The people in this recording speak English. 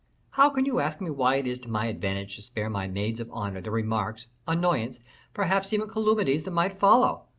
"How can you ask me why it is to my advantage to spare my maids of honor the remarks, annoyances, perhaps even calumnies, that might follow?